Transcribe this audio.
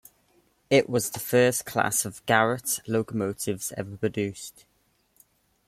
It was the first class of Garratt locomotives ever produced.